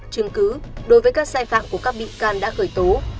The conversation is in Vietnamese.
chứng cứ đối với các sai phạm của các bị can đã khởi tố